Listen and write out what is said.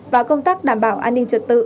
và công tác đảm bảo an ninh trật tự